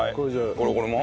これこれも？